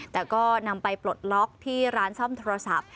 แต่ก็นำไปปลดล็อกที่ร้านซ่อมโทรศัพท์